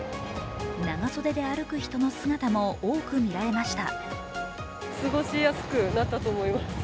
長袖で歩く人の姿も多く見られました。